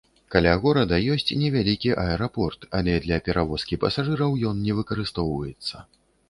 Каля горада ёсць невялікі аэрапорт, але для перавозкі пасажыраў ён не выкарыстоўваецца.